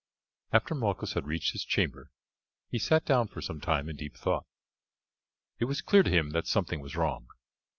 After Malchus had reached his chamber he sat down for some time in deep thought. It was clear to him that something was wrong.